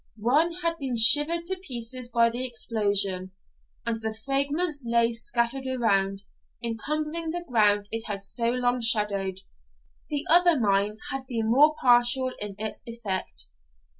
One had been shivered to pieces by the explosion, and the fragments lay scattered around, encumbering the ground it had so long shadowed. The other mine had been more partial in its effect.